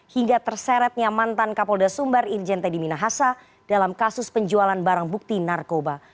hingga terseretnya mantan kapolda sumbar irjen teddy minahasa dalam kasus penjualan barang bukti narkoba